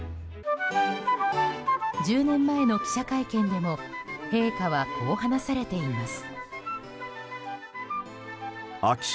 １０年前の記者会見でも陛下は、こう話されています。